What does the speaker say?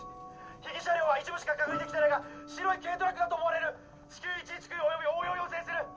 被疑車両は一部しか確認できてないが白い軽トラックだと思われる至急１１９および応援を要請する！